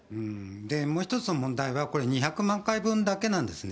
もう一つの問題は、これ、２００万回分だけなんですね。